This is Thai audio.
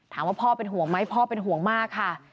พ่อเป็นห่วงไหมพ่อเป็นห่วงมากค่ะ